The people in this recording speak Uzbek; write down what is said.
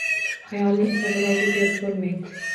Xayolni esa birovga berib bo‘lmaydi